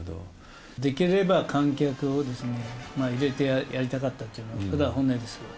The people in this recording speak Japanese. できれば観客を入れてやりたかったというのは、これは本音です。